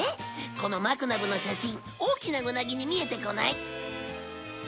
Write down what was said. このマグナブの写真大きなウナギに見えてこない？